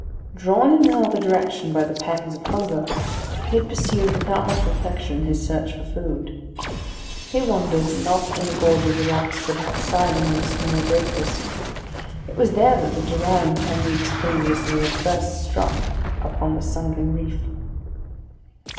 Drawn in another direction by the pangs of hunger, he had pursued without much reflection his search for food. He wandered, not in the gorge of the rocks, but outside among the smaller breakers. It was there that the Durande, ten weeks previously, had first struck upon the sunken reef.